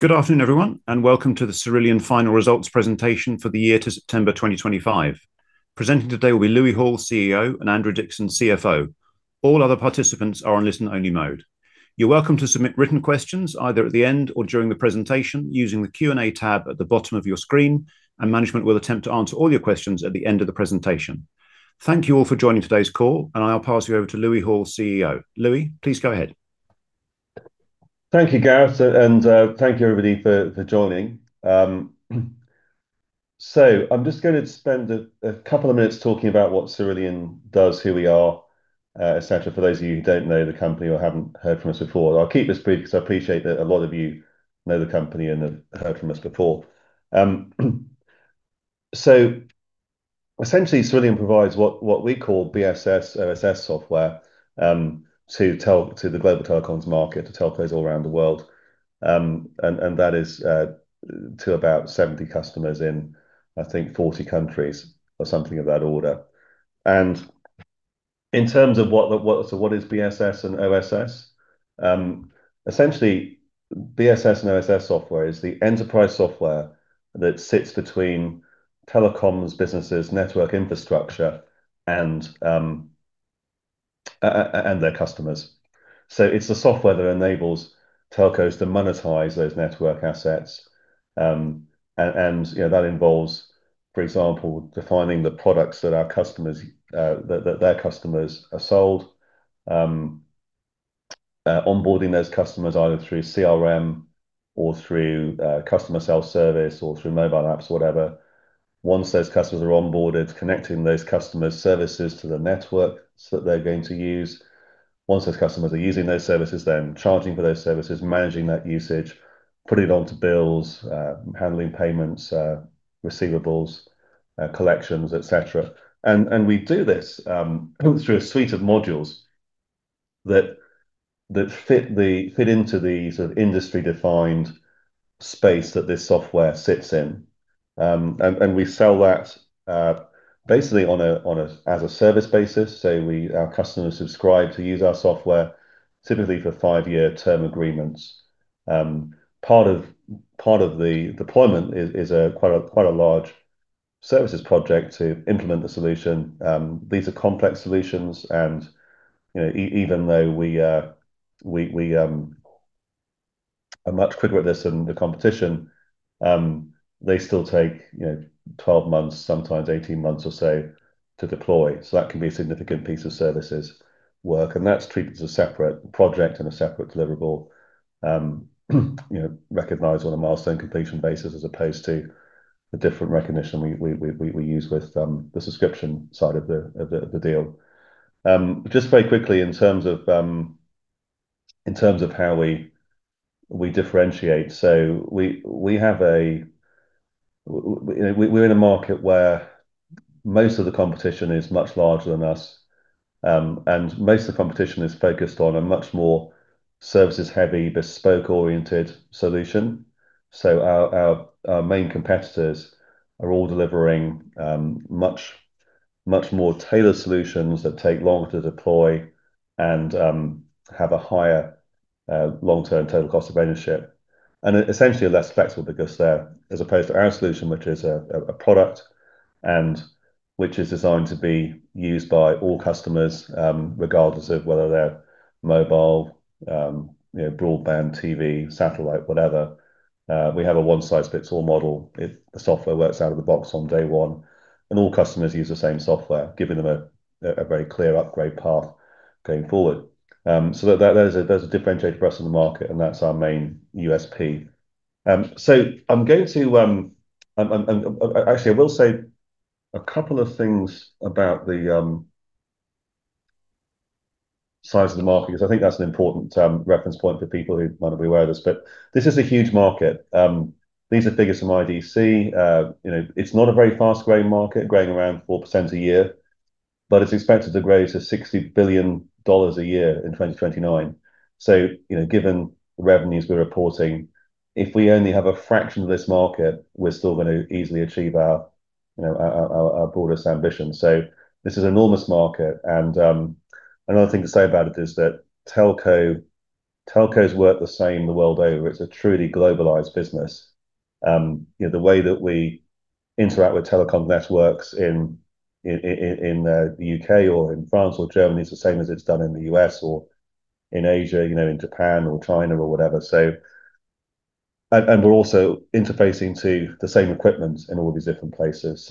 Good afternoon, everyone, and welcome to the Cerillion Final Results presentation for the year to September 2025. Presenting today will be Louis Hall, CEO, and Andrew Dickson, CFO. All other participants are on listen-only mode. You're welcome to submit written questions either at the end or during the presentation using the Q&A tab at the bottom of your screen, and management will attempt to answer all your questions at the end of the presentation. Thank you all for joining today's call, and I'll pass you over to Louis Hall, CEO. Louis, please go ahead. Thank you, Gareth, and thank you, everybody, for joining. I'm just going to spend a couple of minutes talking about what Cerillion does, who we are, etc., for those of you who don't know the company or haven't heard from us before. I'll keep this brief because I appreciate that a lot of you know the company and have heard from us before. Essentially, Cerillion provides what we call BSS, OSS software, to the global telecoms market, to telcos all around the world. That is to about 70 customers in, I think, 40 countries or something of that order. In terms of what is BSS and OSS, essentially, BSS and OSS software is the enterprise software that sits between telecoms businesses, network infrastructure, and their customers. It's the software that enables telcos to monetize those network assets. That involves, for example, defining the products that their customers are sold, onboarding those customers either through CRM or through customer self-service or through mobile apps, whatever. Once those customers are onboarded, connecting those customers' services to the network that they're going to use. Once those customers are using those services, charging for those services, managing that usage, putting it onto bills, handling payments, receivables, collections, etc. We do this through a suite of modules that fit into the sort of industry-defined space that this software sits in. We sell that basically as a service basis. Our customers subscribe to use our software, typically for five-year term agreements. Part of the deployment is quite a large services project to implement the solution. These are complex solutions. Even though we are much quicker at this than the competition, they still take 12 months, sometimes 18 months or so, to deploy. That can be a significant piece of services work. That is treated as a separate project and a separate deliverable, recognized on a milestone completion basis as opposed to the different recognition we use with the subscription side of the deal. Just very quickly, in terms of how we differentiate, we are in a market where most of the competition is much larger than us. Most of the competition is focused on a much more services-heavy, bespoke-oriented solution. Our main competitors are all delivering much more tailored solutions that take longer to deploy and have a higher long-term total cost of ownership. Essentially, they're less flexible because they're, as opposed to our solution, which is a product and which is designed to be used by all customers, regardless of whether they're mobile, broadband, TV, satellite, whatever. We have a one-size-fits-all model. The software works out of the box on day one. All customers use the same software, giving them a very clear upgrade path going forward. There's a differentiator for us in the market, and that's our main USP. I'm going to actually, I will say a couple of things about the size of the market, because I think that's an important reference point for people who might not be aware of this. This is a huge market. These are figures from IDC. It's not a very fast-growing market, growing around 4% a year, but it's expected to grow to $60 billion a year in 2029. Given the revenues we're reporting, if we only have a fraction of this market, we're still going to easily achieve our broadest ambition. This is an enormous market. Another thing to say about it is that telcos work the same the world over. It's a truly globalized business. The way that we interact with telecom networks in the U.K. or in France or Germany is the same as it's done in the U.S. or in Asia, in Japan or China or whatever. We're also interfacing to the same equipment in all these different places.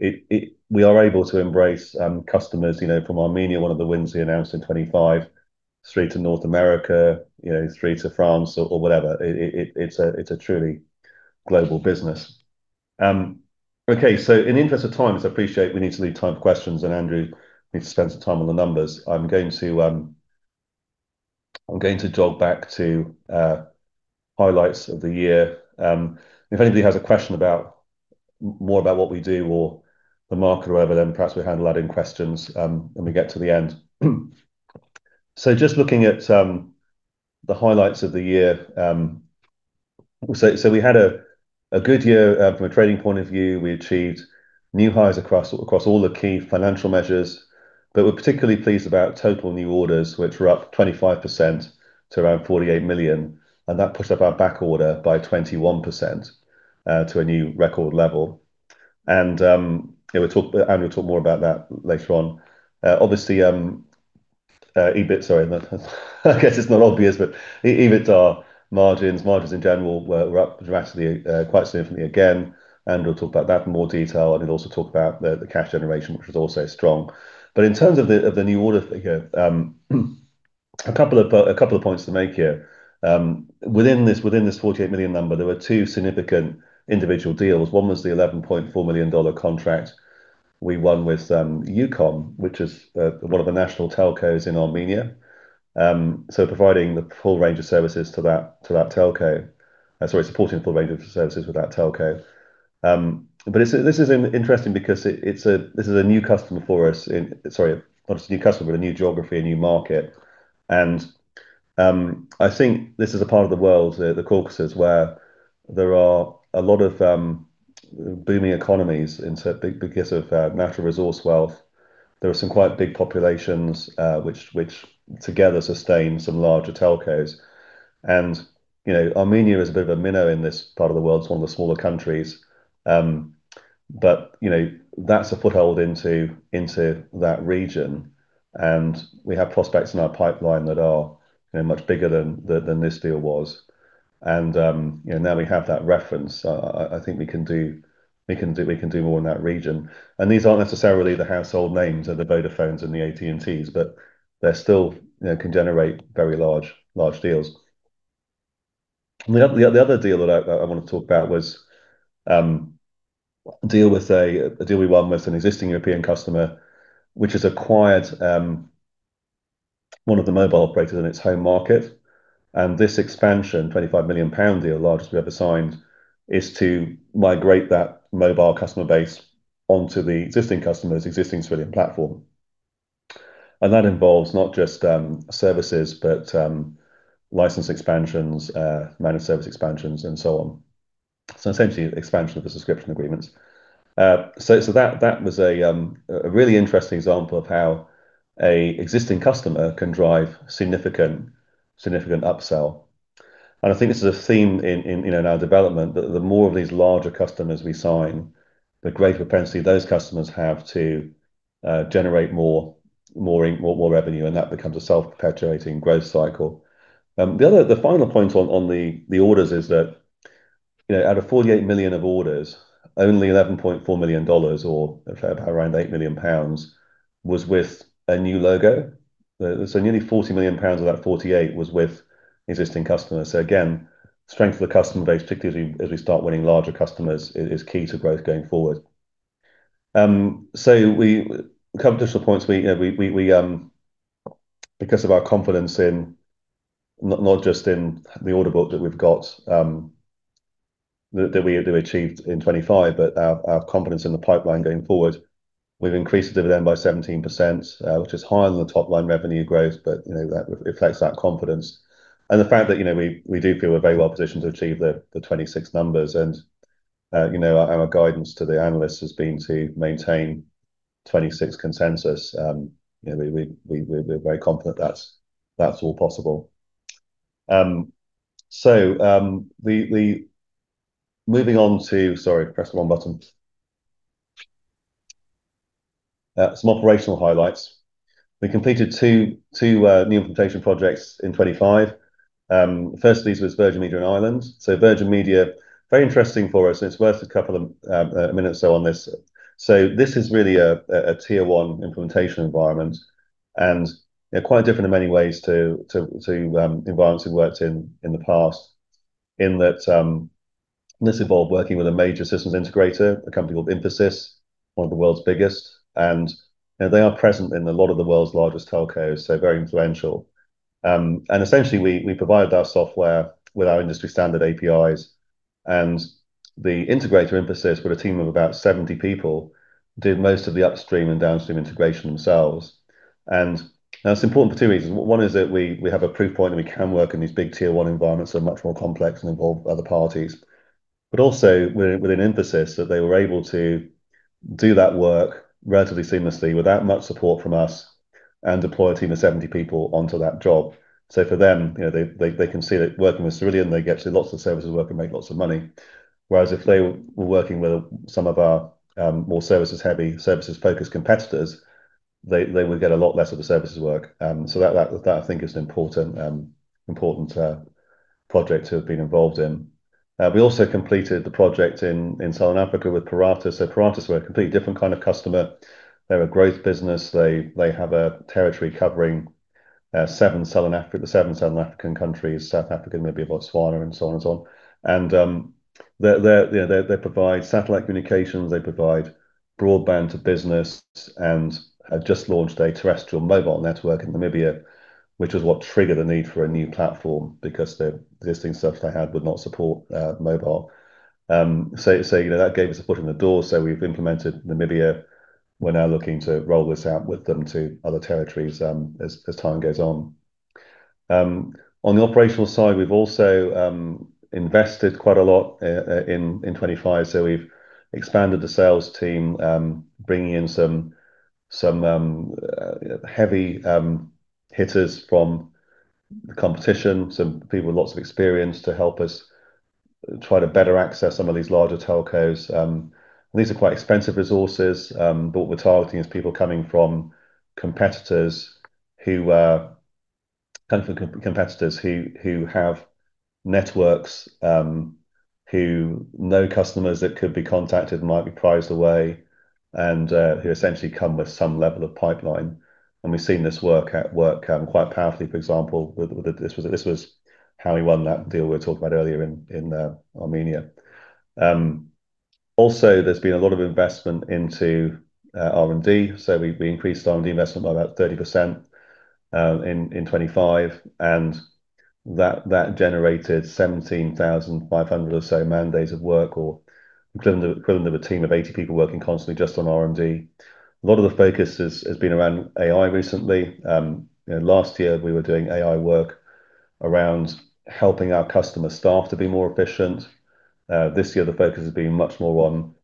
We are able to embrace customers from Armenia, one of the wins we announced in 2025, straight to North America, straight to France or whatever. It's a truly global business. Okay, in the interest of time, as I appreciate we need to leave time for questions and Andrew needs to spend some time on the numbers, I'm going to jog back to highlights of the year. If anybody has a question more about what we do or the market or whatever, then perhaps we'll handle that in questions when we get to the end. Just looking at the highlights of the year, we had a good year from a trading point of view. We achieved new highs across all the key financial measures. We're particularly pleased about total new orders, which were up 25% to around 48 million. That pushed up our back order by 21% to a new record level. Andrew will talk more about that later on. Obviously, EBIT, sorry, I guess it's not obvious, but EBITDA margins, margins in general, were up dramatically, quite significantly again. Andrew will talk about that in more detail. He'll also talk about the cash generation, which was also strong. In terms of the new order, a couple of points to make here. Within this 48 million number, there were two significant individual deals. One was the $11.4 million contract we won with Ucom, which is one of the national telcos in Armenia. Providing the full range of services to that telco, sorry, supporting the full range of services with that telco. This is interesting because this is a new customer for us, sorry, not just a new customer, but a new geography, a new market. I think this is a part of the world, the Caucasus, where there are a lot of booming economies because of natural resource wealth. There are some quite big populations which together sustain some larger telcos. Armenia is a bit of a minnow in this part of the world. It is one of the smaller countries. That is a foothold into that region. We have prospects in our pipeline that are much bigger than this deal was. Now we have that reference. I think we can do more in that region. These are not necessarily the household names of the Vodafones and the AT&Ts, but they still can generate very large deals. The other deal that I want to talk about was a deal we won with an existing European customer, which has acquired one of the mobile operators in its home market. This expansion, 25 million pound deal, largest we've ever signed, is to migrate that mobile customer base onto the existing customer's existing Cerillion platform. That involves not just services, but license expansions, managed service expansions, and so on. Essentially, expansion of the subscription agreements. That was a really interesting example of how an existing customer can drive significant upsell. I think this is a theme in our development that the more of these larger customers we sign, the greater propensity those customers have to generate more revenue, and that becomes a self-perpetuating growth cycle. The final point on the orders is that out of 48 million of orders, only $11.4 million, or around 8 million pounds, was with a new logo. Nearly 40 million pounds of that 48 was with existing customers. Again, strength of the customer base, particularly as we start winning larger customers, is key to growth going forward. We come to some points because of our confidence not just in the order book that we have that we achieved in 2025, but our confidence in the pipeline going forward. We have increased the dividend by 17%, which is higher than the top-line revenue growth, but it reflects that confidence. The fact that we do feel we are very well positioned to achieve the 2026 numbers. Our guidance to the analysts has been to maintain 2026 consensus. We are very confident that is all possible. Moving on to, sorry, pressed the wrong button. Some operational highlights. We completed two new implementation projects in 2025. The first of these was Virgin Media in Ireland. Virgin Media, very interesting for us. It is worth a couple of minutes or so on this. This is really a tier-one implementation environment and quite different in many ways to environments we have worked in the past in that this involved working with a major systems integrator, a company called Infosys, one of the world's biggest. They are present in a lot of the world's largest telcos, so very influential. Essentially, we provided our software with our industry-standard APIs. The integrator, Infosys, with a team of about 70 people, did most of the upstream and downstream integration themselves. That is important for two reasons. One is that we have a proof point that we can work in these big tier-one environments that are much more complex and involve other parties. Also within Infosys, they were able to do that work relatively seamlessly without much support from us and deploy a team of 70 people onto that job. For them, they can see that working with Cerillion, they get to do lots of services work and make lots of money. Whereas if they were working with some of our more services-heavy, services-focused competitors, they would get a lot less of the services work. That, I think, is an important project to have been involved in. We also completed the project in Southern Africa with Paratus. Paratus were a completely different kind of customer. They're a growth business. They have a territory covering the seven Southern African countries, South Africa, Namibia, Botswana, and so on and so on. They provide satellite communications. They provide broadband to business and have just launched a terrestrial mobile network in Namibia, which was what triggered the need for a new platform because the existing stuff they had would not support mobile. That gave us a foot in the door. We have implemented Namibia. We are now looking to roll this out with them to other territories as time goes on. On the operational side, we have also invested quite a lot in 2025. We have expanded the sales team, bringing in some heavy hitters from the competition, some people with lots of experience to help us try to better access some of these larger telcos. These are quite expensive resources, but what we are targeting is people coming from competitors who have networks, who know customers that could be contacted, might be priced away, and who essentially come with some level of pipeline. We have seen this work quite powerfully, for example, with this was how we won that deal we were talking about earlier in Armenia. Also, there has been a lot of investment into R&D. We increased R&D investment by about 30% in 2025. That generated 17,500 or so mandates of work or equivalent of a team of 80 people working constantly just on R&D. A lot of the focus has been around AI recently. Last year, we were doing AI work around helping our customer staff to be more efficient. This year, the focus has been much more on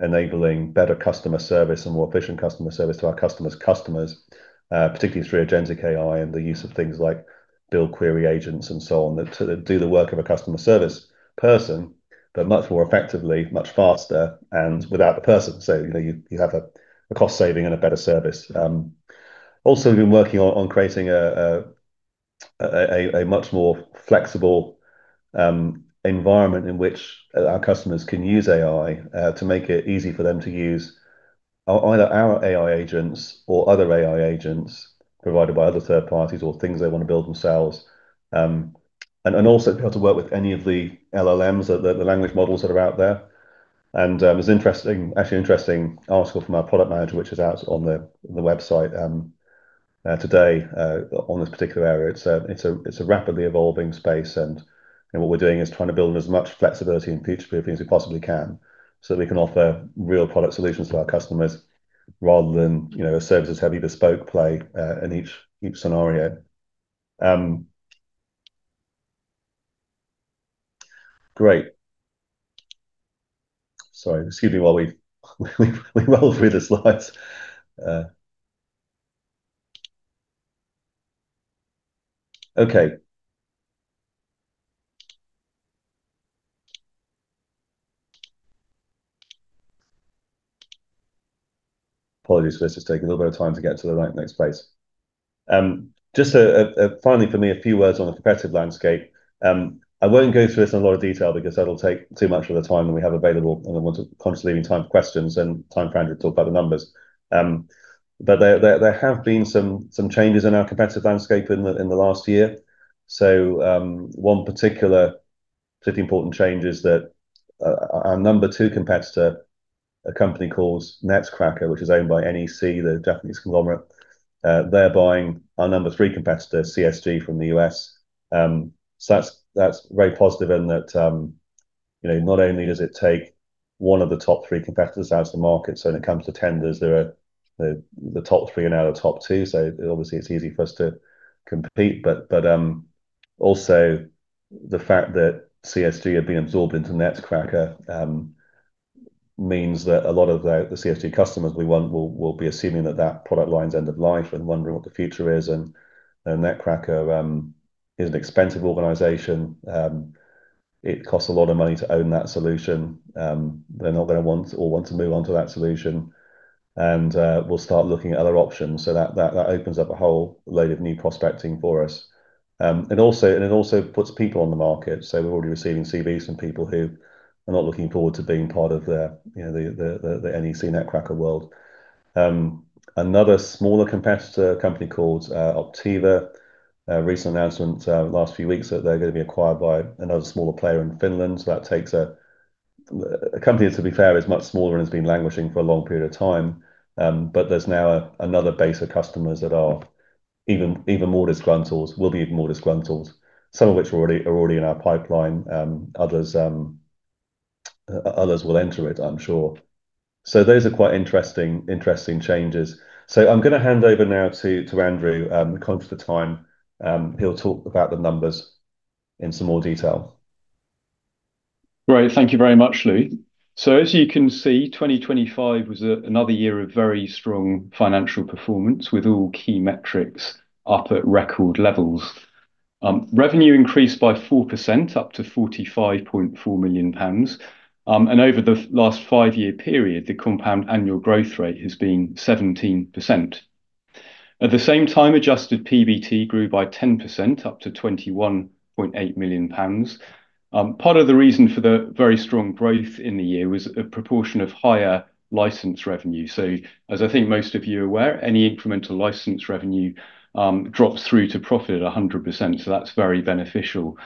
enabling better customer service and more efficient customer service to our customers' customers, particularly through Agentic AI and the use of things like build query agents and so on that do the work of a customer service person, but much more effectively, much faster, and without the person. You have a cost saving and a better service. Also, we've been working on creating a much more flexible environment in which our customers can use AI to make it easy for them to use either our AI agents or other AI agents provided by other third parties or things they want to build themselves. Also, be able to work with any of the LLMs, the language models that are out there. It's actually an interesting article from our product manager, which is out on the website today on this particular area. It's a rapidly evolving space. What we're doing is trying to build as much flexibility and future proofing as we possibly can so that we can offer real product solutions to our customers rather than a services-heavy bespoke play in each scenario. Great. Sorry. Excuse me while we roll through the slides. Okay. Apologies. This is taking a little bit of time to get to the next place. Just finally, for me, a few words on the competitive landscape. I won't go through this in a lot of detail because that'll take too much of the time that we have available and want to consciously leave time for questions and time for Andrew to talk about the numbers. There have been some changes in our competitive landscape in the last year. One particularly important change is that our number two competitor, a company called Netcracker, which is owned by NEC, the Japanese conglomerate, they're buying our number three competitor, CSG, from the U.S.. That is very positive in that not only does it take one of the top three competitors out of the market. When it comes to tenders, there are the top three and now the top two. Obviously, it's easy for us to compete. Also, the fact that CSG have been absorbed into Netcracker means that a lot of the CSG customers we want will be assuming that that product line's end of life and wondering what the future is. Netcracker is an expensive organization. It costs a lot of money to own that solution. They're not going to all want to move on to that solution. We'll start looking at other options. That opens up a whole load of new prospecting for us. It also puts people on the market. We're already receiving CVs from people who are not looking forward to being part of the NEC Netcracker world. Another smaller competitor, a company called Optiva, recent announcement last few weeks that they're going to be acquired by another smaller player in Finland. That takes a company that, to be fair, is much smaller and has been languishing for a long period of time. There is now another base of customers that are even more disgruntled, will be even more disgruntled, some of which are already in our pipeline. Others will enter it, I'm sure. Those are quite interesting changes. I'm going to hand over now to Andrew. We've come to the time. He'll talk about the numbers in some more detail. Great. Thank you very much, Lou. As you can see, 2025 was another year of very strong financial performance with all key metrics up at record levels. Revenue increased by 4%, up to 45.4 million pounds. Over the last five-year period, the compound annual growth rate has been 17%. At the same time, adjusted PBT grew by 10%, up to 21.8 million pounds. Part of the reason for the very strong growth in the year was a proportion of higher license revenue. As I think most of you are aware, any incremental license revenue drops through to profit at 100%. That is very beneficial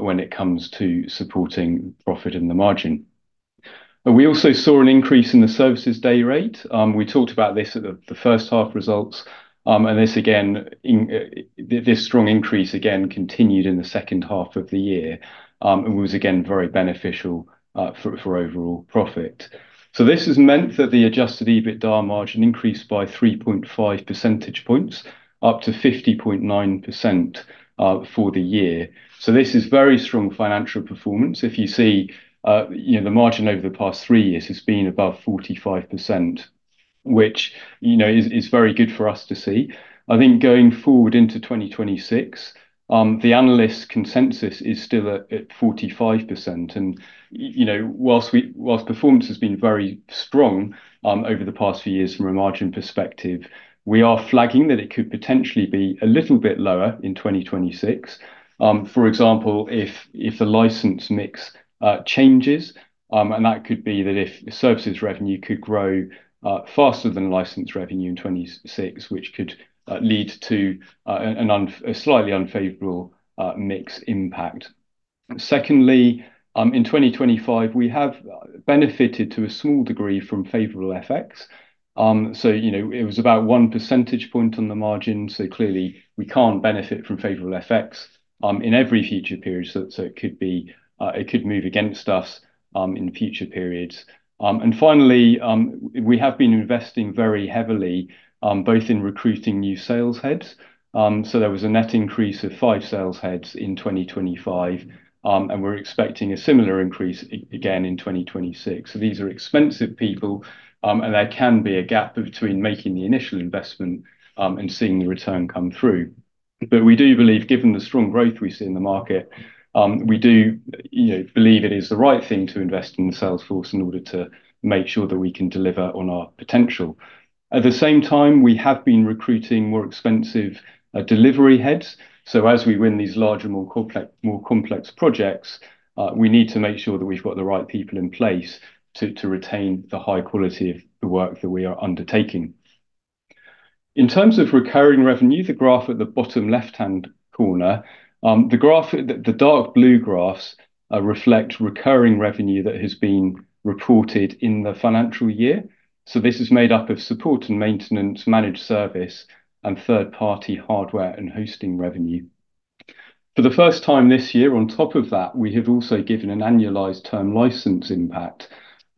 when it comes to supporting profit in the margin. We also saw an increase in the services day rate. We talked about this at the first half results. This strong increase again continued in the second half of the year. It was again very beneficial for overall profit. This has meant that the adjusted EBITDA margin increased by 3.5 percentage points, up to 50.9% for the year. This is very strong financial performance. If you see, the margin over the past three years has been above 45%, which is very good for us to see. I think going forward into 2026, the analyst consensus is still at 45%. Whilst performance has been very strong over the past few years from a margin perspective, we are flagging that it could potentially be a little bit lower in 2026. For example, if the license mix changes, and that could be that if services revenue could grow faster than license revenue in 2026, which could lead to a slightly unfavorable mix impact. Secondly, in 2025, we have benefited to a small degree from favorable effects. It was about one percentage point on the margin. Clearly, we cannot benefit from favorable effects in every future period. It could move against us in future periods. Finally, we have been investing very heavily both in recruiting new salesheads. There was a net increase of five salesheads in 2025. We are expecting a similar increase again in 2026. These are expensive people. There can be a gap between making the initial investment and seeing the return come through. We do believe, given the strong growth we see in the market, it is the right thing to invest in the salesforce in order to make sure that we can deliver on our potential. At the same time, we have been recruiting more expensive delivery heads. As we win these larger, more complex projects, we need to make sure that we have the right people in place to retain the high quality of the work that we are undertaking. In terms of recurring revenue, the graph at the bottom left-hand corner, the dark blue graphs reflect recurring revenue that has been reported in the financial year. This is made up of support and maintenance, managed service, and third-party hardware and hosting revenue. For the first time this year, on top of that, we have also given an annualized term license impact.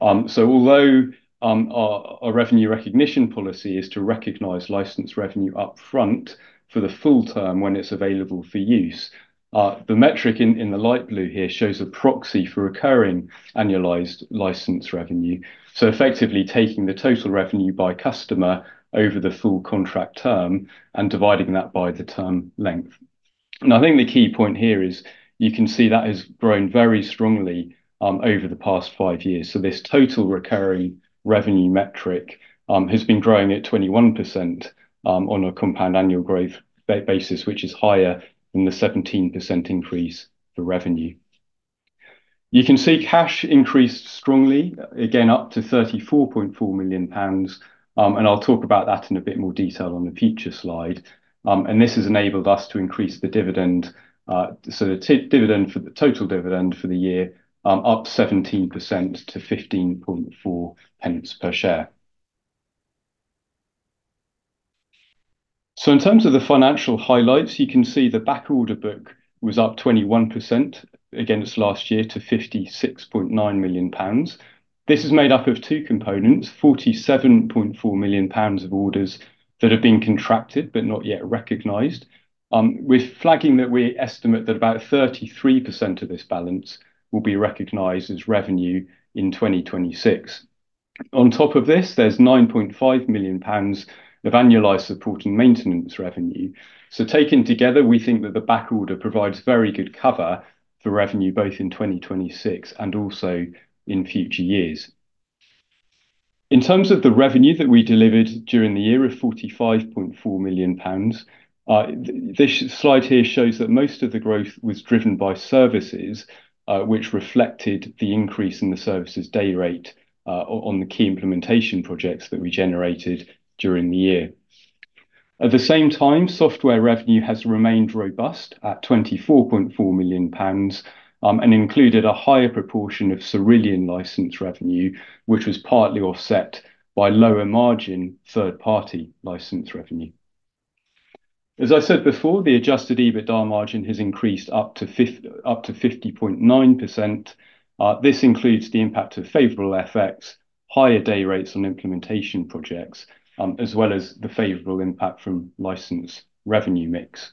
Although our revenue recognition policy is to recognize license revenue upfront for the full term when it is available for use, the metric in the light blue here shows a proxy for recurring annualized license revenue. Effectively taking the total revenue by customer over the full contract term and dividing that by the term length. I think the key point here is you can see that has grown very strongly over the past five years. This total recurring revenue metric has been growing at 21% on a compound annual growth basis, which is higher than the 17% increase for revenue. You can see cash increased strongly, again, up to 34.4 million pounds. I'll talk about that in a bit more detail on the future slide. This has enabled us to increase the dividend, so the total dividend for the year, up 17% to 15.4 per share. In terms of the financial highlights, you can see the back order book was up 21% against last year to 56.9 million pounds. This is made up of two components, 47.4 million pounds of orders that have been contracted but not yet recognized. We're flagging that we estimate that about 33% of this balance will be recognized as revenue in 2026. On top of this, there's 9.5 million pounds of annualized support and maintenance revenue. Taken together, we think that the back order provides very good cover for revenue both in 2026 and also in future years. In terms of the revenue that we delivered during the year of 45.4 million pounds, this slide here shows that most of the growth was driven by services, which reflected the increase in the services day rate on the key implementation projects that we generated during the year. At the same time, software revenue has remained robust at 24.4 million pounds and included a higher proportion of Cerillion license revenue, which was partly offset by lower margin third-party license revenue. As I said before, the adjusted EBITDA margin has increased up to 50.9%. This includes the impact of favorable effects, higher day rates on implementation projects, as well as the favorable impact from license revenue mix.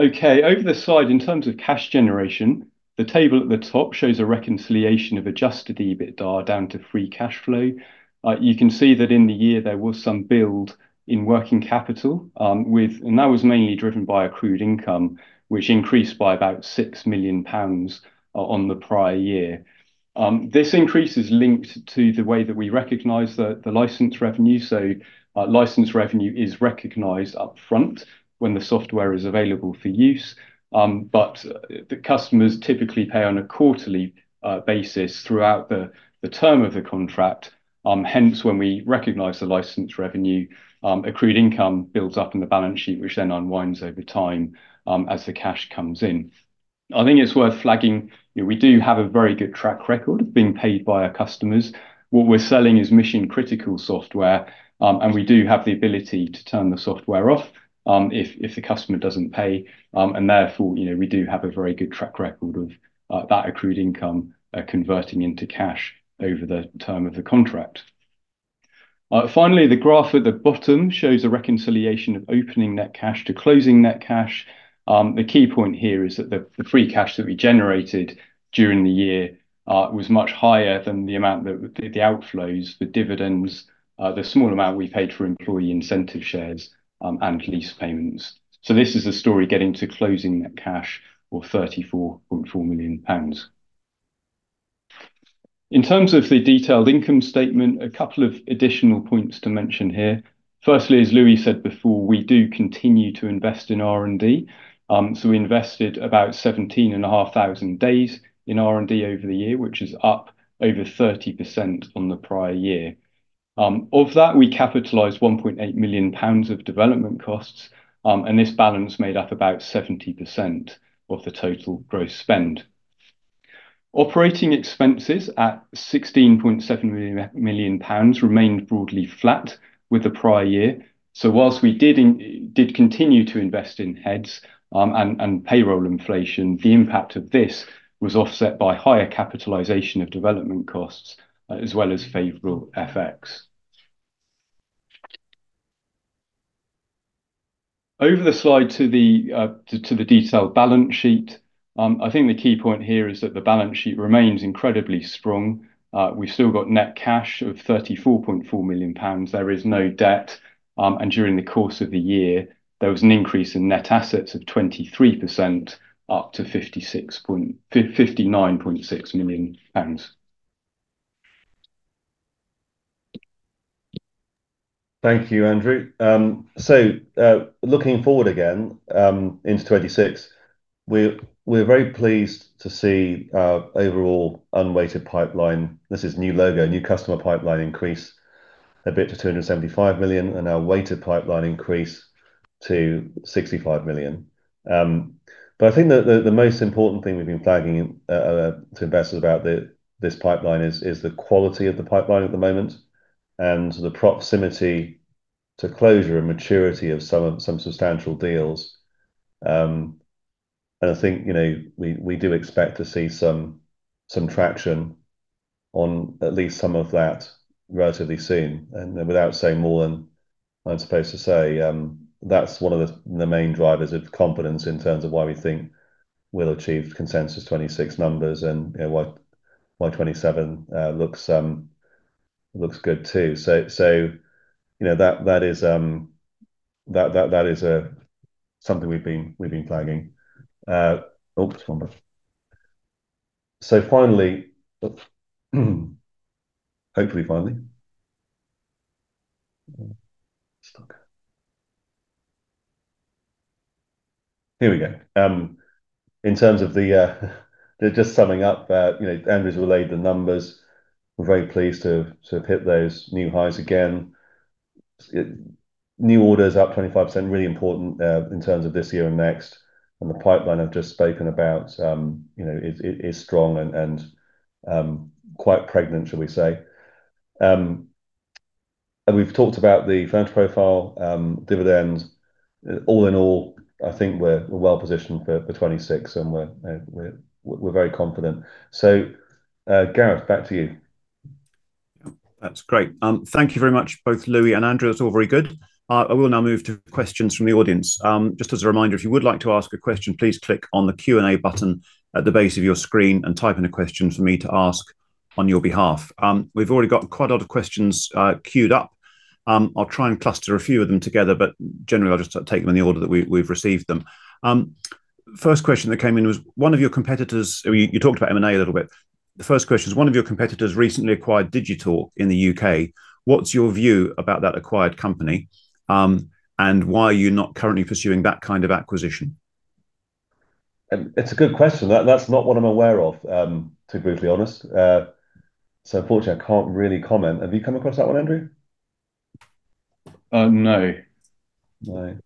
Okay. Over the slide, in terms of cash generation, the table at the top shows a reconciliation of adjusted EBITDA down to free cash flow. You can see that in the year, there was some build in working capital, and that was mainly driven by accrued income, which increased by about 6 million pounds on the prior year. This increase is linked to the way that we recognize the license revenue. License revenue is recognized upfront when the software is available for use. The customers typically pay on a quarterly basis throughout the term of the contract. Hence, when we recognize the license revenue, accrued income builds up in the balance sheet, which then unwinds over time as the cash comes in. I think it's worth flagging. We do have a very good track record of being paid by our customers. What we're selling is mission-critical software. We do have the ability to turn the software off if the customer doesn't pay. Therefore, we do have a very good track record of that accrued income converting into cash over the term of the contract. Finally, the graph at the bottom shows a reconciliation of opening net cash to closing net cash. The key point here is that the free cash that we generated during the year was much higher than the amount that the outflows, the dividends, the small amount we paid for employee incentive shares, and lease payments. This is a story getting to closing net cash of 34.4 million pounds. In terms of the detailed income statement, a couple of additional points to mention here. Firstly, as Louis said before, we do continue to invest in R&D. We invested about 17,500 days in R&D over the year, which is up over 30% on the prior year. Of that, we capitalized 1.8 million pounds of development costs. This balance made up about 70% of the total gross spend. Operating expenses at 16.7 million pounds remained broadly flat with the prior year. Whilst we did continue to invest in heads and payroll inflation, the impact of this was offset by higher capitalization of development costs as well as favorable effects. Over the slide to the detailed balance sheet, I think the key point here is that the balance sheet remains incredibly strong. We have still got net cash of 34.4 million pounds. There is no debt. During the course of the year, there was an increase in net assets of 23% up to 59.6 million pounds. Thank you, Andrew. Looking forward again into 2026, we are very pleased to see overall unweighted pipeline. This is new logo, new customer pipeline increase a bit to 275 million and our weighted pipeline increase to 65 million. I think the most important thing we've been flagging to investors about this pipeline is the quality of the pipeline at the moment and the proximity to closure and maturity of some substantial deals. I think we do expect to see some traction on at least some of that relatively soon. Without saying more than I'm supposed to say, that's one of the main drivers of confidence in terms of why we think we'll achieve consensus 2026 numbers and why 2027 looks good too. That is something we've been flagging. Oh, just one moment. Finally, hopefully finally. Here we go. In terms of just summing up, Andrew's relayed the numbers. We're very pleased to have hit those new highs again. New orders up 25%, really important in terms of this year and next. The pipeline I have just spoken about is strong and quite pregnant, shall we say. We have talked about the financial profile, dividends. All in all, I think we are well positioned for 2026, and we are very confident. Gareth, back to you. That is great. Thank you very much, both Louis and Andrew. That is all very good. I will now move to questions from the audience. Just as a reminder, if you would like to ask a question, please click on the Q&A button at the base of your screen and type in a question for me to ask on your behalf. We have already got quite a lot of questions queued up. I will try and cluster a few of them together, but generally, I will just take them in the order that we have received them. First question that came in was, one of your competitors, you talked about M&A a little bit. The first question is, one of your competitors recently acquired Digital in the U.K.. What's your view about that acquired company? And why are you not currently pursuing that kind of acquisition? It's a good question. That's not what I'm aware of, to be brutally honest. So unfortunately, I can't really comment. Have you come across that one, Andrew? No. No.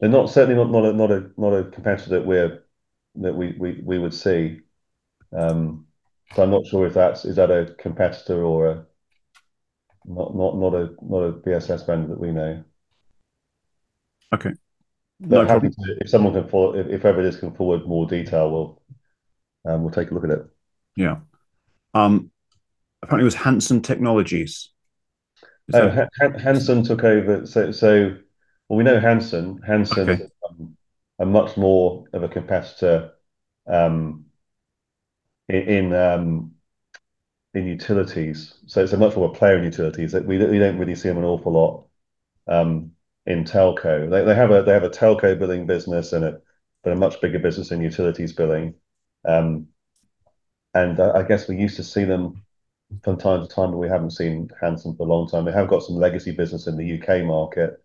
They're certainly not a competitor that we would see. I'm not sure if that's a competitor or not a BSS vendor that we know. If someone can, if ever it is, can forward more detail, we'll take a look at it. Yeah. Apparently, it was Hanson Technologies. Hanson took over. We know Hanson. Hanson is much more of a competitor in utilities. It's a much more player in utilities. We don't really see them an awful lot in telco. They have a telco billing business, but a much bigger business in utilities billing. I guess we used to see them from time to time, but we have not seen Hanson for a long time. They have got some legacy business in the U.K. market,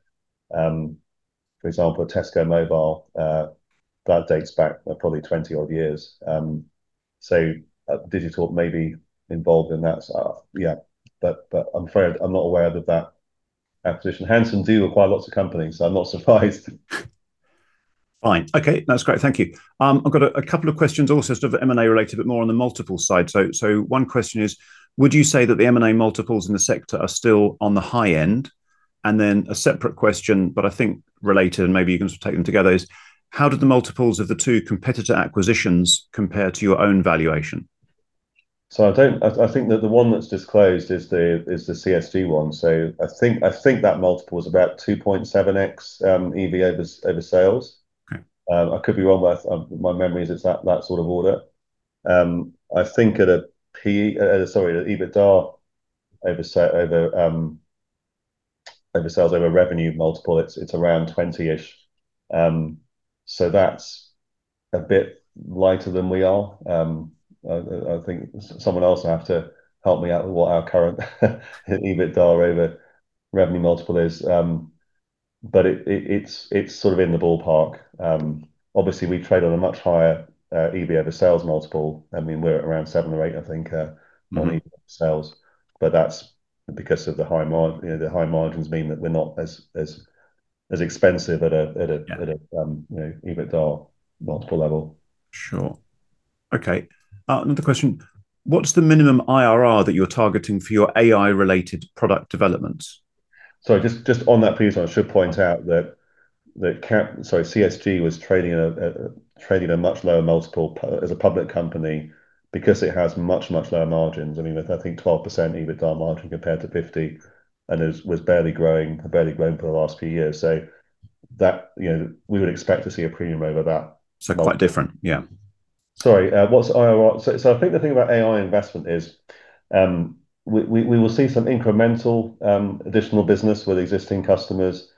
for example, Tesco Mobile. That dates back probably 20-odd years. Digital may be involved in that. Yeah. I am not aware of that acquisition. Hanson do acquire lots of companies, so I am not surprised. Fine. Okay. That is great. Thank you. I have got a couple of questions also sort of M&A related, but more on the multiples side. One question is, would you say that the M&A multiples in the sector are still on the high end? A separate question, but I think related, and maybe you can sort of take them together, is how did the multiples of the two competitor acquisitions compare to your own valuation? I think that the one that is disclosed is the CSG one. I think that multiple is about 2.7x EV over sales. I could be wrong, but my memory is it is that sort of order. I think at a, sorry, at EBITDA over sales, over revenue multiple, it is around 20-ish. That is a bit lighter than we are. I think someone else will have to help me out with what our current EBITDA over revenue multiple is. It is sort of in the ballpark. Obviously, we trade on a much higher EV over sales multiple. I mean, we are around seven or eight, I think, on EV over sales. That's because the high margins mean that we're not as expensive at an EBITDA multiple level. Sure. Okay. Another question. What's the minimum IRR that you're targeting for your AI-related product developments? Sorry, just on that previous one, I should point out that CSG was trading at a much lower multiple as a public company because it has much, much lower margins. I mean, I think 12% EBITDA margin compared to 50%, and it was barely growing for the last few years. We would expect to see a premium over that. Quite different. Yeah. Sorry. I think the thing about AI investment is we will see some incremental additional business with existing customers.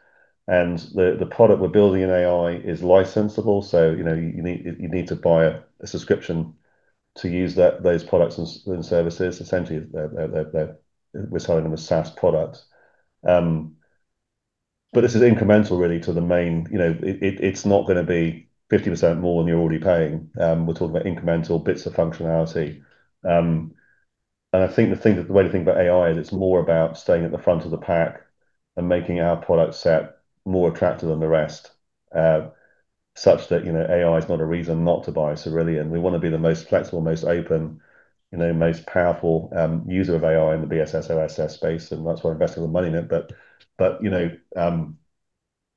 The product we're building in AI is licensable. You need to buy a subscription to use those products and services. Essentially, we're selling them as SaaS products. This is incremental, really, to the main. It's not going to be 50% more than you're already paying. We're talking about incremental bits of functionality. I think the way to think about AI is it's more about staying at the front of the pack and making our product set more attractive than the rest, such that AI is not a reason not to buy Cerillion. We want to be the most flexible, most open, most powerful user of AI in the BSS, OSS space. That's why we're investing the money in it.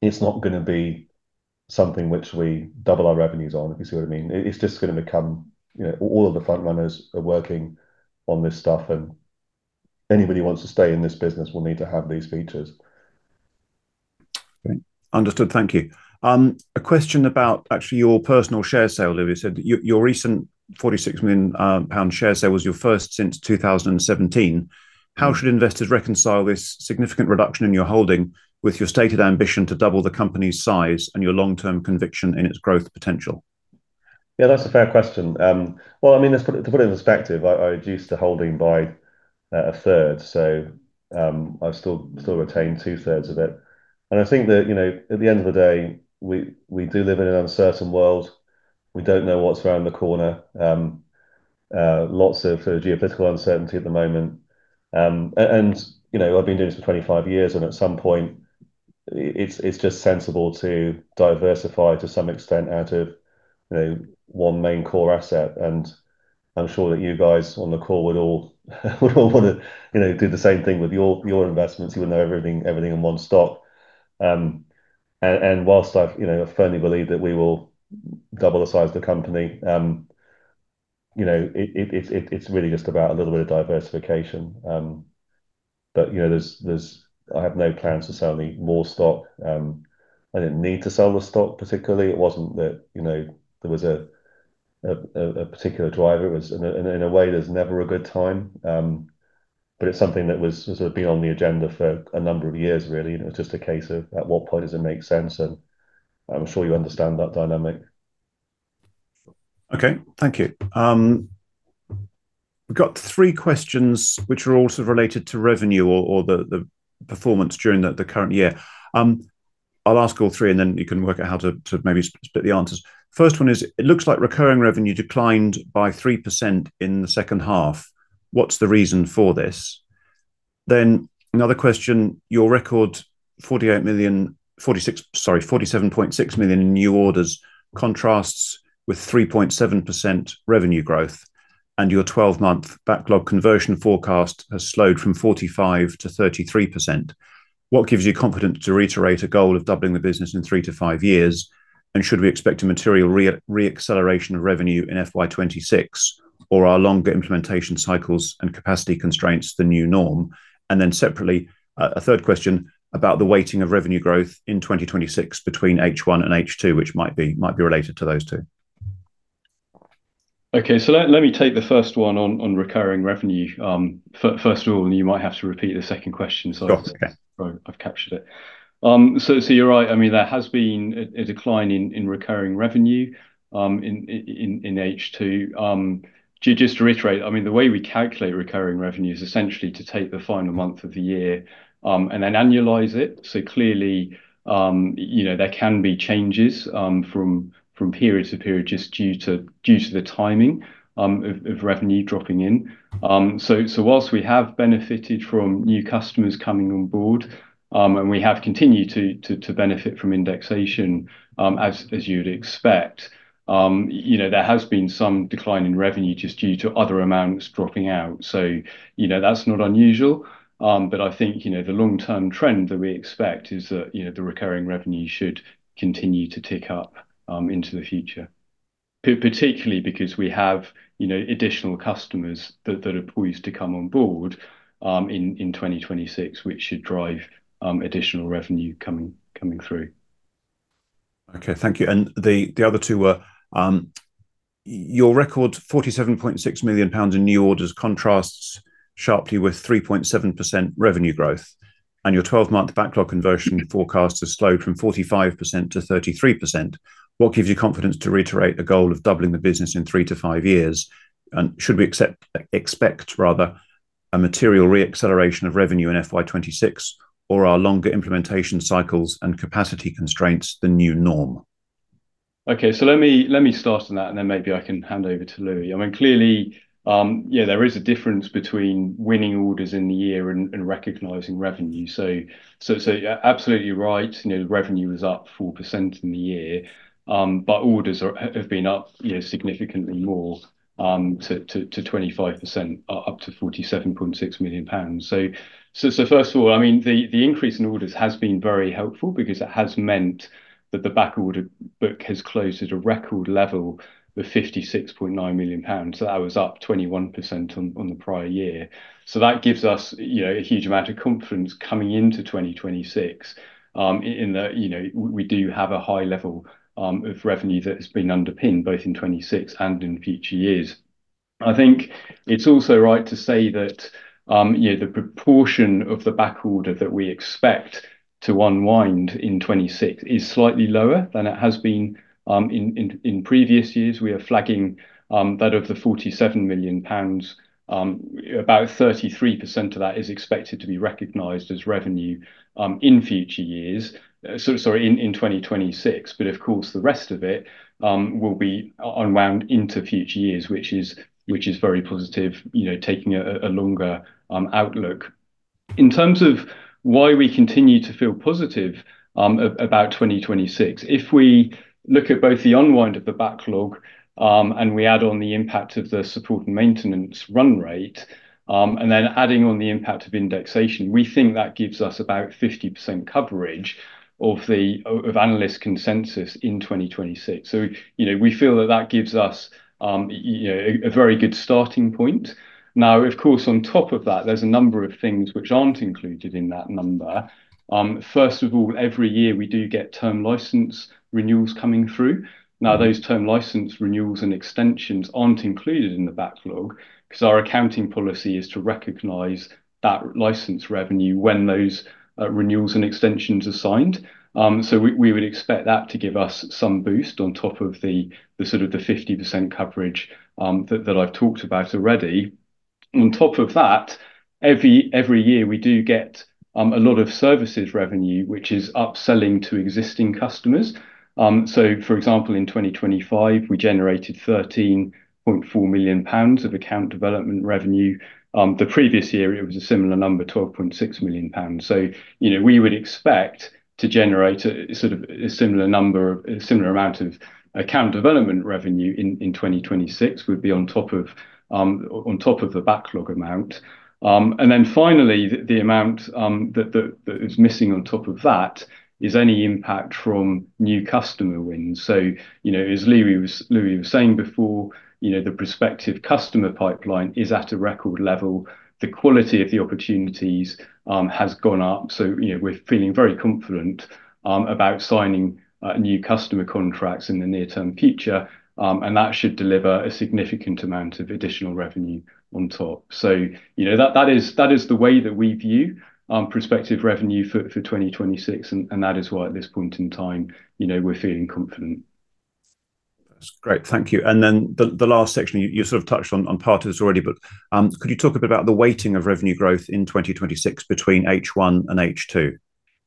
It's not going to be something which we double our revenues on, if you see what I mean. It's just going to become all of the front runners are working on this stuff. Anybody who wants to stay in this business will need to have these features. Understood. Thank you. A question about actually your personal share sale, Louis. You said your recent 46 million pound share sale was your first since 2017. How should investors reconcile this significant reduction in your holding with your stated ambition to double the company's size and your long-term conviction in its growth potential? Yeah, that's a fair question. I mean, to put it in perspective, I reduced the holding by a third. So I've still retained two-thirds of it. I think that at the end of the day, we do live in an uncertain world. We don't know what's around the corner. Lots of geopolitical uncertainty at the moment. I've been doing this for 25 years. At some point, it's just sensible to diversify to some extent out of one main core asset. I'm sure that you guys on the call would all want to do the same thing with your investments. You would know everything in one stock. Whilst I firmly believe that we will double the size of the company, it's really just about a little bit of diversification. I have no plans to sell any more stock. I didn't need to sell the stock particularly. It wasn't that there was a particular driver. In a way, there's never a good time. It's something that has sort of been on the agenda for a number of years, really. It was just a case of at what point does it make sense. I'm sure you understand that dynamic. Okay. Thank you. We've got three questions, which are all sort of related to revenue or the performance during the current year. I'll ask all three, and then you can work out how to maybe split the answers. First one is, it looks like recurring revenue declined by 3% in the second half. What's the reason for this? Another question, your record 47.6 million in new orders contrasts with 3.7% revenue growth. Your 12-month backlog conversion forecast has slowed from 45% to 33%. What gives you confidence to reiterate a goal of doubling the business in three to five years? Should we expect a material reacceleration of revenue in FY 2026, or are longer implementation cycles and capacity constraints the new norm? Separately, a third question about the weighting of revenue growth in 2026 between H1 and H2, which might be related to those two. Okay. Let me take the first one on recurring revenue. First of all, you might have to repeat the second question. Sorry. I've captured it. You're right. I mean, there has been a decline in recurring revenue in H2. Just to reiterate, I mean, the way we calculate recurring revenue is essentially to take the final month of the year and then annualize it. Clearly, there can be changes from period to period just due to the timing of revenue dropping in. Whilst we have benefited from new customers coming on board, and we have continued to benefit from indexation, as you'd expect, there has been some decline in revenue just due to other amounts dropping out. That's not unusual. I think the long-term trend that we expect is that the recurring revenue should continue to tick up into the future, particularly because we have additional customers that are poised to come on board in 2026, which should drive additional revenue coming through. Okay. Thank you. The other two were, your record GBP 47.6 million in new orders contrasts sharply with 3.7% revenue growth. Your 12-month backlog conversion forecast has slowed from 45% to 33%. What gives you confidence to reiterate the goal of doubling the business in three to five years? Should we expect, rather, a material reacceleration of revenue in FY 2026, or are longer implementation cycles and capacity constraints the new norm? Okay. Let me start on that, and then maybe I can hand over to Louis. I mean, clearly, there is a difference between winning orders in the year and recognizing revenue. Absolutely right. Revenue was up 4% in the year, but orders have been up significantly more to 25%, up to 47.6 million pounds. First of all, I mean, the increase in orders has been very helpful because it has meant that the back order book has closed at a record level of 56.9 million pounds. That was up 21% on the prior year. That gives us a huge amount of confidence coming into 2026 in that we do have a high level of revenue that has been underpinned both in 2026 and in future years. I think it is also right to say that the proportion of the back order that we expect to unwind in 2026 is slightly lower than it has been in previous years. We are flagging that of the 47 million pounds. About 33% of that is expected to be recognized as revenue in future years, sorry, in 2026. Of course, the rest of it will be unwound into future years, which is very positive, taking a longer outlook. In terms of why we continue to feel positive about 2026, if we look at both the unwind of the backlog and we add on the impact of the support and maintenance run rate, and then adding on the impact of indexation, we think that gives us about 50% coverage of analyst consensus in 2026. We feel that that gives us a very good starting point. Now, of course, on top of that, there's a number of things which aren't included in that number. First of all, every year, we do get term license renewals coming through. Now, those term license renewals and extensions are not included in the backlog because our accounting policy is to recognize that license revenue when those renewals and extensions are signed. We would expect that to give us some boost on top of the sort of the 50% coverage that I have talked about already. On top of that, every year, we do get a lot of services revenue, which is upselling to existing customers. For example, in 2025, we generated 13.4 million pounds of account development revenue. The previous year, it was a similar number, 12.6 million pounds. We would expect to generate sort of a similar number, a similar amount of account development revenue in 2026, which would be on top of the backlog amount. Finally, the amount that is missing on top of that is any impact from new customer wins. As Louis was saying before, the prospective customer pipeline is at a record level. The quality of the opportunities has gone up. We are feeling very confident about signing new customer contracts in the near-term future. That should deliver a significant amount of additional revenue on top. That is the way that we view prospective revenue for 2026. That is why, at this point in time, we are feeling confident. That's great. Thank you. The last section, you sort of touched on part of this already, but could you talk a bit about the weighting of revenue growth in 2026 between H1 and H2?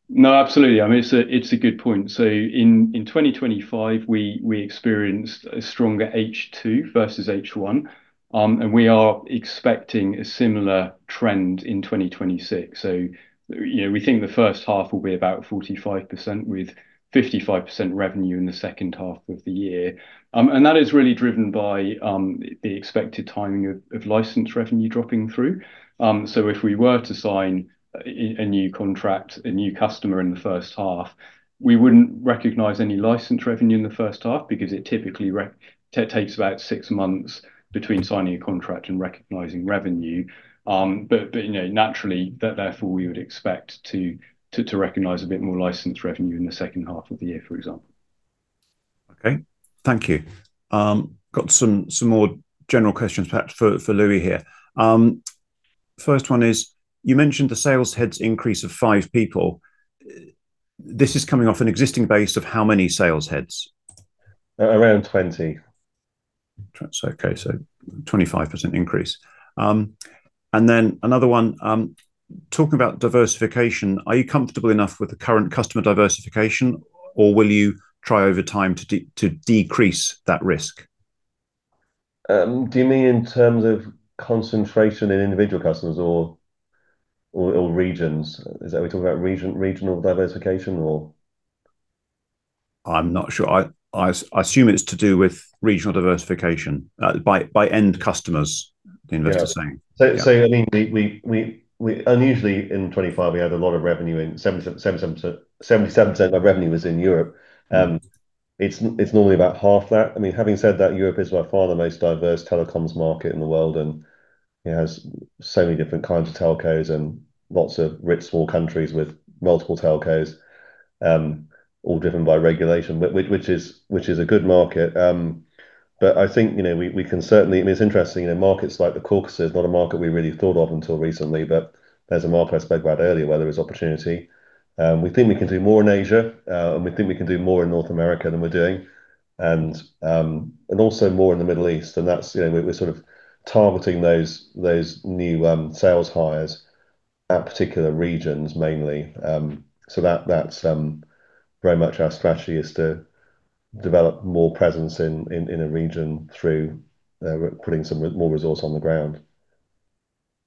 No, absolutely. I mean, it's a good point. In 2025, we experienced a stronger H2 versus H1. We are expecting a similar trend in 2026. We think the first half will be about 45% with 55% revenue in the second half of the year. That is really driven by the expected timing of license revenue dropping through. If we were to sign a new contract, a new customer in the first half, we would not recognize any license revenue in the first half because it typically takes about six months between signing a contract and recognizing revenue. Naturally, therefore, we would expect to recognize a bit more license revenue in the second half of the year, for example. Okay. Thank you. Got some more general questions, perhaps, for Louis here. First one is, you mentioned the sales heads increase of five people. This is coming off an existing base of how many sales heads? Around 20. Okay. So 25% increase. Another one, talking about diversification, are you comfortable enough with the current customer diversification, or will you try over time to decrease that risk? Do you mean in terms of concentration in individual customers or regions? Are we talking about regional diversification or? I'm not sure. I assume it's to do with regional diversification by end customers, the investor saying. Yeah. I mean, unusually in 2025, we had a lot of revenue in 77% of our revenue was in Europe. It's normally about half that. I mean, having said that, Europe is by far the most diverse telecoms market in the world. It has so many different kinds of telcos and lots of rich small countries with multiple telcos, all driven by regulation, which is a good market. I think we can certainly—I mean, it's interesting. Markets like the Caucasus is not a market we really thought of until recently, but there's a market I spoke about earlier where there is opportunity. We think we can do more in Asia. We think we can do more in North America than we're doing, and also more in the Middle East. We're sort of targeting those new sales hires at particular regions, mainly. That's very much our strategy, is to develop more presence in a region through putting some more resource on the ground.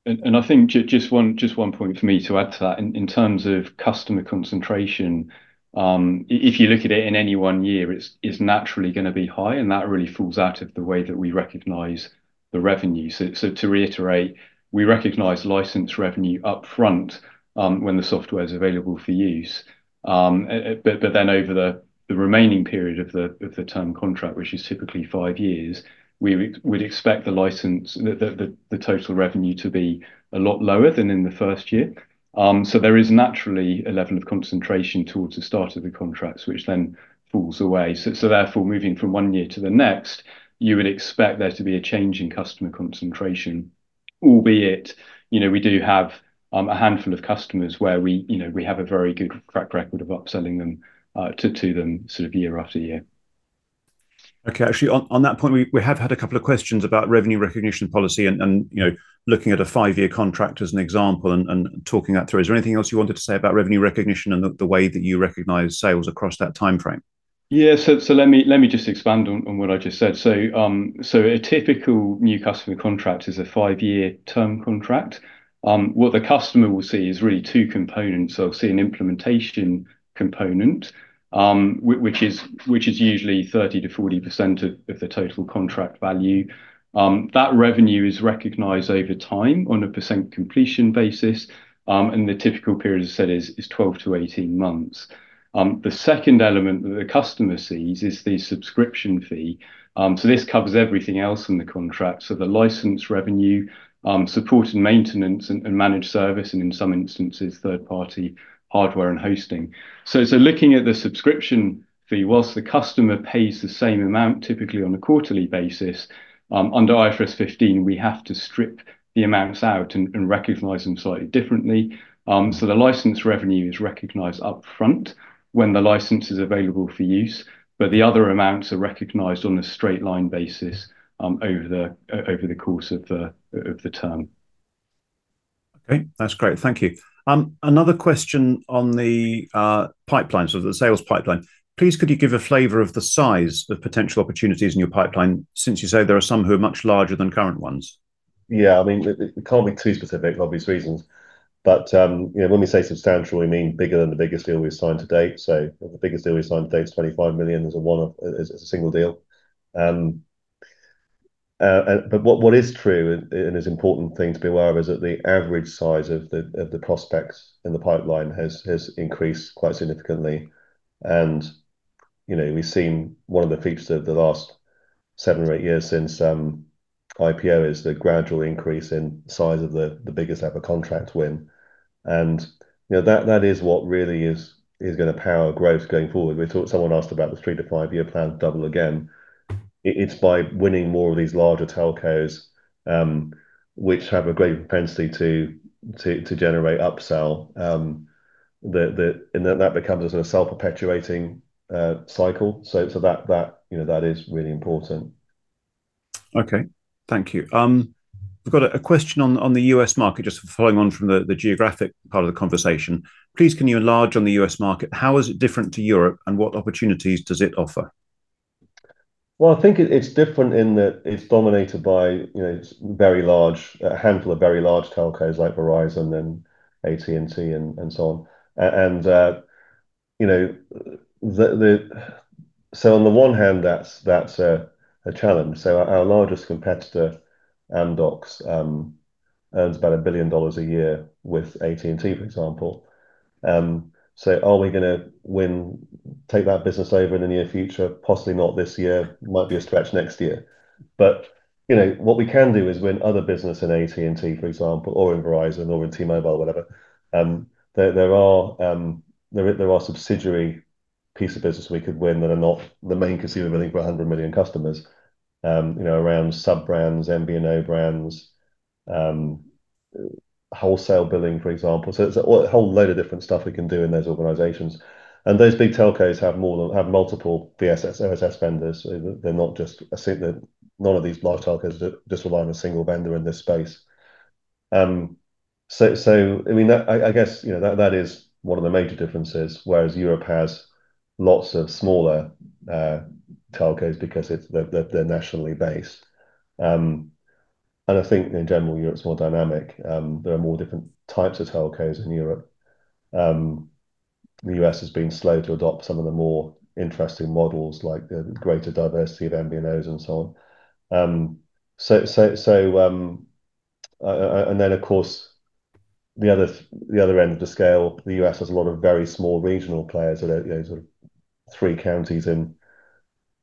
I think just one point for me to add to that. In terms of customer concentration, if you look at it in any one year, it's naturally going to be high. That really falls out of the way that we recognize the revenue. To reiterate, we recognize license revenue upfront when the software is available for use. But then over the remaining period of the term contract, which is typically five years, we would expect the total revenue to be a lot lower than in the first year. There is naturally a level of concentration towards the start of the contracts, which then falls away. Therefore, moving from one year to the next, you would expect there to be a change in customer concentration, albeit we do have a handful of customers where we have a very good track record of upselling them to them sort of year after year. Okay. Actually, on that point, we have had a couple of questions about revenue recognition policy and looking at a five-year contract as an example and talking that through. Is there anything else you wanted to say about revenue recognition and the way that you recognize sales across that timeframe? Yeah. Let me just expand on what I just said. A typical new customer contract is a five-year term contract. What the customer will see is really two components. They'll see an implementation component, which is usually 30-40% of the total contract value. That revenue is recognized over time on a percent completion basis. The typical period, as I said, is 12-18 months. The second element that the customer sees is the subscription fee. This covers everything else in the contract: the license revenue, support and maintenance, and managed service, and in some instances, third-party hardware and hosting. Looking at the subscription fee, whilst the customer pays the same amount, typically on a quarterly basis, under IFRS 15, we have to strip the amounts out and recognize them slightly differently. The license revenue is recognized upfront when the license is available for use, but the other amounts are recognized on a straight-line basis over the course of the term. Okay. That's great. Thank you. Another question on the pipeline, so the sales pipeline. Please, could you give a flavor of the size of potential opportunities in your pipeline since you say there are some who are much larger than current ones? Yeah. I mean, it can't be too specific for obvious reasons. When we say substantial, we mean bigger than the biggest deal we've signed to date. The biggest deal we've signed to date is 25 million. There's a single deal. What is true and is an important thing to be aware of is that the average size of the prospects in the pipeline has increased quite significantly. We have seen one of the features of the last seven or eight years since IPO is the gradual increase in size of the biggest ever contract win. That is what really is going to power growth going forward. Someone asked about the three to five-year plan double again. It is by winning more of these larger telcos, which have a great propensity to generate upsell. That becomes a self-perpetuating cycle. That is really important. Thank you. We have a question on the U.S. market, just following on from the geographic part of the conversation. Please, can you enlarge on the U.S. market? How is it different to Europe, and what opportunities does it offer? I think it is different in that it is dominated by a handful of very large telcos like Verizon and AT&T and so on. On the one hand, that is a challenge. Our largest competitor, Amdocs, earns about $1 billion a year with AT&T, for example. Are we going to take that business over in the near future? Possibly not this year. Might be a stretch next year. What we can do is win other business in AT&T, for example, or in Verizon or in T-Mobile, whatever. There are subsidiary pieces of business we could win that are not the main consumer billing for 100 million customers, around sub-brands, MB&O brands, wholesale billing, for example. There is a whole load of different stuff we can do in those organizations. Those big telcos have multiple BSS vendors. None of these large telcos just rely on a single vendor in this space. I guess that is one of the major differences, whereas Europe has lots of smaller telcos because they are nationally based. I think, in general, Europe is more dynamic. There are more different types of telcos in Europe. The U.S. has been slow to adopt some of the more interesting models, like the greater diversity of BSS and so on. Of course, at the other end of the scale, the U.S. has a lot of very small regional players. There are sort of three counties in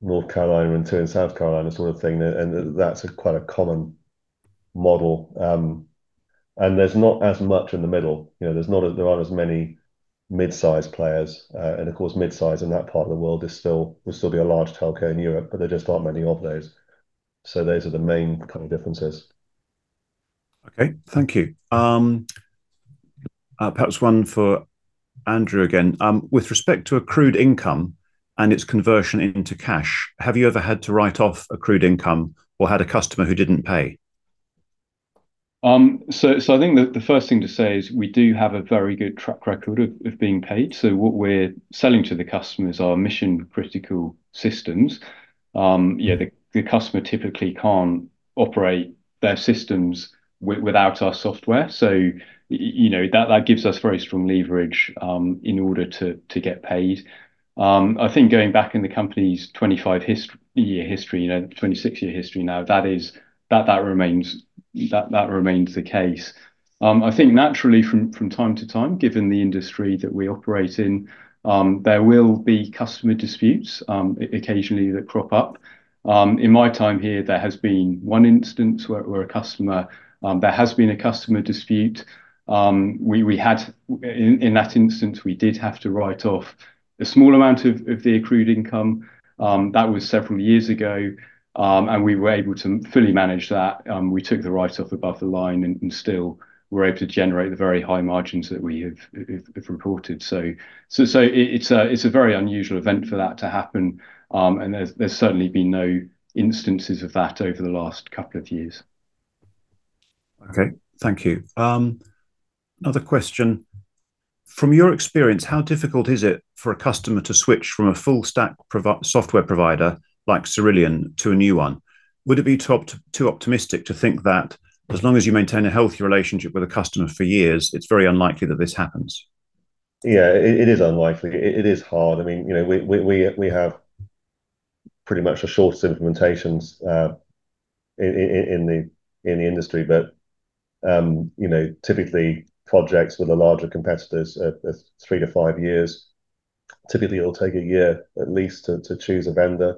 North Carolina and two in South Carolina, that sort of thing. That is quite a common model. There is not as much in the middle. There are not as many mid-sized players. Of course, mid-sized in that part of the world would still be a large telco in Europe, but there just are not many of those. Those are the main kind of differences. Okay. Thank you. Perhaps one for Andrew again. With respect to accrued income and its conversion into cash, have you ever had to write off accrued income or had a customer who did not pay? I think the first thing to say is we do have a very good track record of being paid. What we are selling to the customers are mission-critical systems. The customer typically cannot operate their systems without our software. That gives us very strong leverage in order to get paid. I think going back in the company's 25-year history, 26-year history now, that remains the case. I think, naturally, from time to time, given the industry that we operate in, there will be customer disputes occasionally that crop up. In my time here, there has been one instance where a customer, there has been a customer dispute. In that instance, we did have to write off a small amount of the accrued income. That was several years ago. We were able to fully manage that. We took the write-off above the line and still were able to generate the very high margins that we have reported. It is a very unusual event for that to happen. There have certainly been no instances of that over the last couple of years. Okay. Thank you. Another question. From your experience, how difficult is it for a customer to switch from a full-stack software provider like Cerillion to a new one? Would it be too optimistic to think that as long as you maintain a healthy relationship with a customer for years, it is very unlikely that this happens? Yeah. It is unlikely. It is hard. I mean, we have pretty much the shortest implementations in the industry. Typically, projects with the larger competitors are three to five years. Typically, it'll take a year at least to choose a vendor.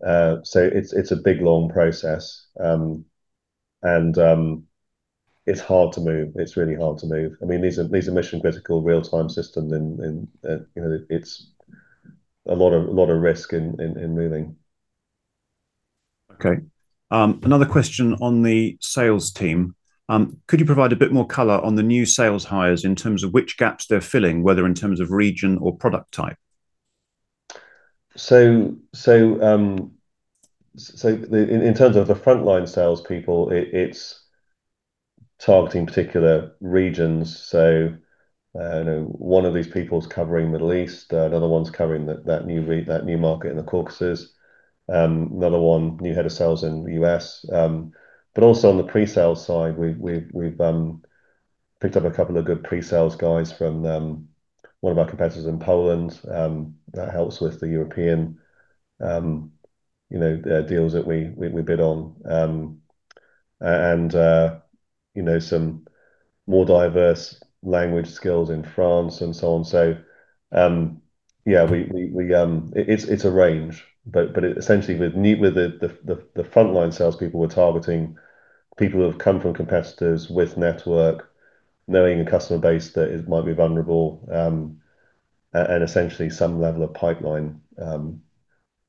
It is a big, long process. It is hard to move. It is really hard to move. I mean, these are mission-critical real-time systems. There is a lot of risk in moving. Okay. Another question on the sales team. Could you provide a bit more color on the new sales hires in terms of which gaps they're filling, whether in terms of region or product type? In terms of the frontline salespeople, it is targeting particular regions. One of these people is covering Middle East. Another one is covering that new market in the Caucasus. Another one, new head of sales in the U.S.. Also, on the pre-sales side, we've picked up a couple of good pre-sales guys from one of our competitors in Poland. That helps with the European deals that we bid on. Some more diverse language skills in France and so on. Yeah, it's a range. Essentially, with the frontline salespeople, we're targeting people who have come from competitors with network, knowing a customer base that might be vulnerable, and essentially some level of pipeline,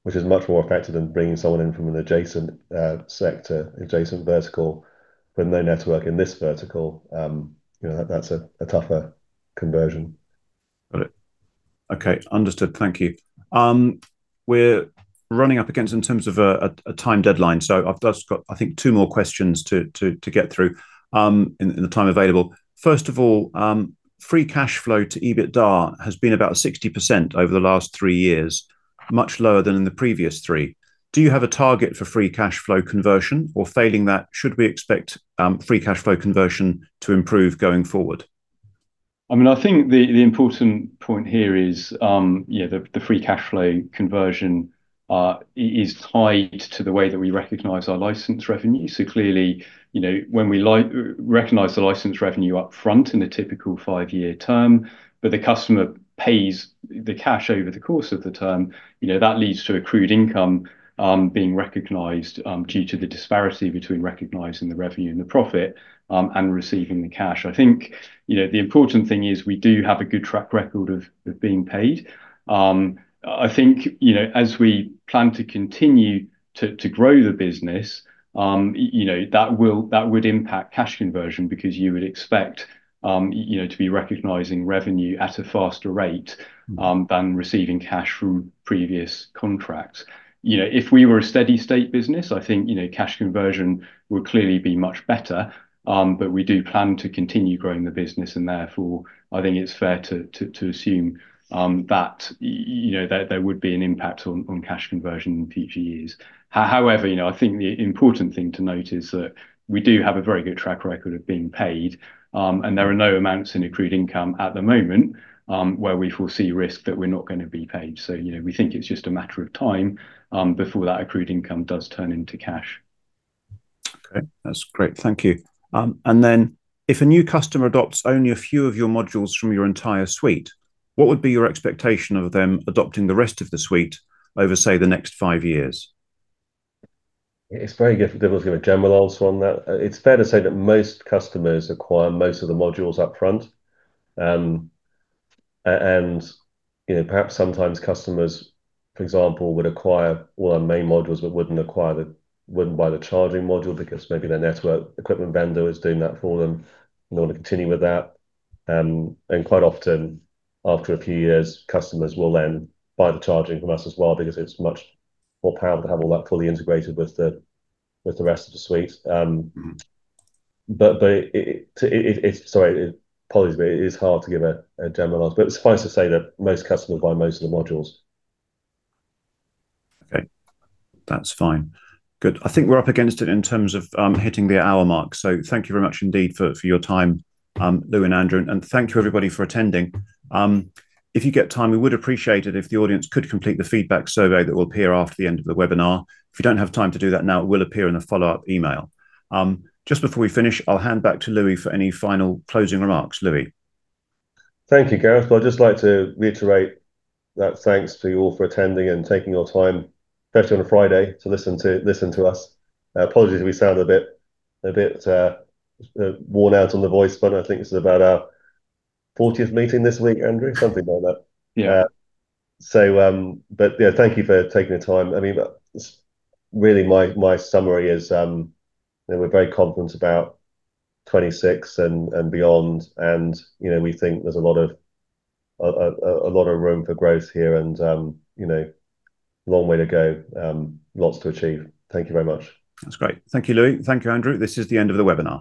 which is much more effective than bringing someone in from an adjacent sector, adjacent vertical, with no network in this vertical. That's a tougher conversion. Got it. Okay. Understood. Thank you. We're running up against in terms of a time deadline. I've just got, I think, two more questions to get through in the time available. First of all, free cash flow to EBITDA has been about 60% over the last three years, much lower than in the previous three. Do you have a target for free cash flow conversion? Or failing that, should we expect free cash flow conversion to improve going forward? I mean, I think the important point here is the free cash flow conversion is tied to the way that we recognize our license revenue. Clearly, when we recognize the license revenue upfront in a typical five-year term, but the customer pays the cash over the course of the term, that leads to accrued income being recognized due to the disparity between recognizing the revenue and the profit and receiving the cash. I think the important thing is we do have a good track record of being paid. I think as we plan to continue to grow the business, that would impact cash conversion because you would expect to be recognizing revenue at a faster rate than receiving cash from previous contracts. If we were a steady-state business, I think cash conversion would clearly be much better. We do plan to continue growing the business. Therefore, I think it's fair to assume that there would be an impact on cash conversion in future years. However, I think the important thing to note is that we do have a very good track record of being paid. There are no amounts in accrued income at the moment where we foresee risk that we're not going to be paid. We think it's just a matter of time before that accrued income does turn into cash. Okay. That's great. Thank you. If a new customer adopts only a few of your modules from your entire suite, what would be your expectation of them adopting the rest of the suite over, say, the next five years? It's very difficult to give a general answer on that. It's fair to say that most customers acquire most of the modules upfront. Perhaps sometimes customers, for example, would acquire all our main modules but wouldn't buy the charging module because maybe their network equipment vendor is doing that for them and they want to continue with that. Quite often, after a few years, customers will then buy the charging from us as well because it's much more powerful to have all that fully integrated with the rest of the suite. Sorry, apologies for that. It is hard to give a general answer. Suffice to say that most customers buy most of the modules. Okay. That's fine. Good. I think we're up against it in terms of hitting the hour mark. Thank you very much indeed for your time, Louis and Andrew. Thank you, everybody, for attending. If you get time, we would appreciate it if the audience could complete the feedback survey that will appear after the end of the webinar. If you do not have time to do that now, it will appear in a follow-up email. Just before we finish, I will hand back to Louis for any final closing remarks. Louis. Thank you, Gareth. I would just like to reiterate that thanks to you all for attending and taking your time, especially on a Friday, to listen to us. Apologies if we sound a bit worn out on the voice, but I think this is about our 40th meeting this week, Andrew, something like that. Yeah, thank you for taking the time. I mean, really, my summary is we are very confident about 2026 and beyond. We think there's a lot of room for growth here and a long way to go. Lots to achieve. Thank you very much. That's great. Thank you, Louis. Thank you, Andrew. This is the end of the webinar.